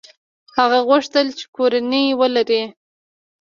هغه وغوښتل چې کورنۍ ولري.